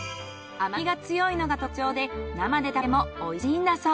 甘みが強いのが特徴で生で食べても美味しいんだそう。